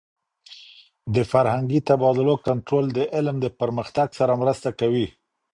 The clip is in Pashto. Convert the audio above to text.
د فرهنګي تبادلو کنټرول د علم د پرمختګ سره مرسته کوي.